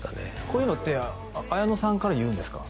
こういうのって綾野さんから言うんですか？